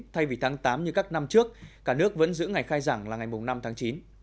thay vì tháng tám như các năm trước cả nước vẫn giữ ngày khai giảng là ngày năm tháng chín